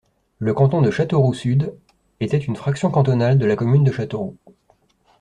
Le canton de Châteauroux-Sud était une fraction cantonale de la commune de Châteauroux.